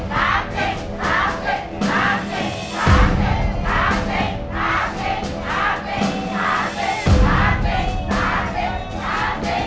และคะแนนของ้องอัปเดตคือ